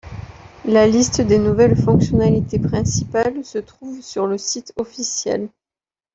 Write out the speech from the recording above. La liste des nouvelles fonctionnalités principales se trouvent sur le site officiel.